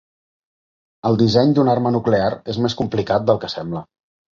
El disseny d'una arma nuclear és més complicat del que sembla.